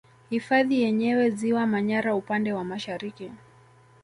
Hifadhi yenyewe Ziwa Manyara upande wa Mashariki